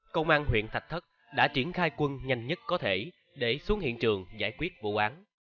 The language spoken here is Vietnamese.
công an huyện thạch thất đã triển khai quân nhanh nhất có thể để xuống hiện trường giải quyết vụ án